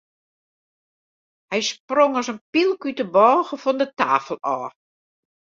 Hy sprong as in pylk út de bôge fan de tafel ôf.